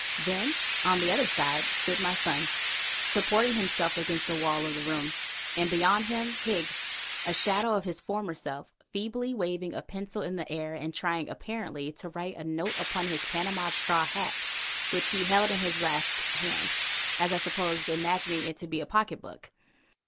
Then on the other side stood my son, supporting himself against the wall of the room, and beyond him Higgs, a shadow of his former self, feebly waving a pencil in the air and trying, apparently, to write a note upon his Panama straw hat, which he held in his left hand, as I suppose, imagining it to be his pocket book.